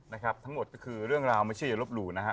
นะครับทั้งหมดก็คือเรื่องราวไม่ใช่อย่าลบหลู่นะฮะ